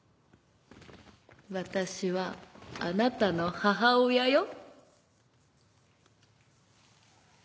私はあなたの母親よ。